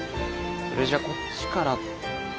それじゃこっちから。